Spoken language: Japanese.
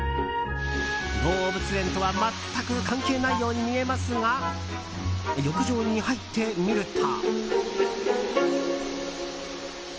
動物園とは全く関係ないように見えますが浴場に入ってみると。